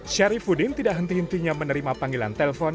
syarif udin tidak henti hentinya menerima panggilan telpon